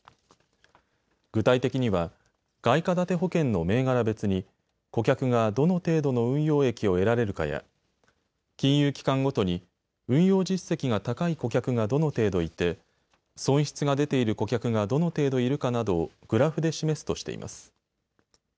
具体的には外貨建て保険の銘柄別に顧客がどの程度の運用益を得られるかや金融機関ごとに運用実績が高い顧客がどの程度いて損失が出ている顧客がどの程度いるかなどをグラフで示すとしています。